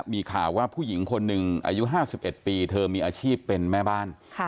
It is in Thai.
มีข่าวว่าผู้หญิงคนหนึ่งอายุ๕๑ปีเธอมีอาชีพเป็นแม่บ้าน